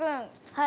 はい。